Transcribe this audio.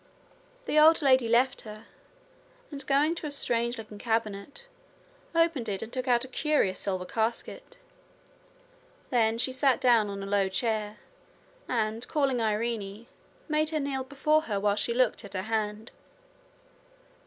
The old lady left her and, going to a strange looking cabinet, opened it and took out a curious silver casket. Then she sat down on a low chair and, calling Irene, made her kneel before her while she looked at her hand.